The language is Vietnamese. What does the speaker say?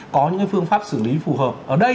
có những phương pháp xử lý phù hợp ở đây